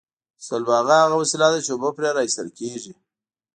سلواغه هغه وسیله ده چې اوبه پرې را ایستل کیږي